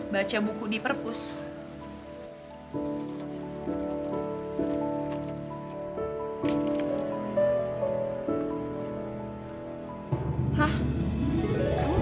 baca buku di perpus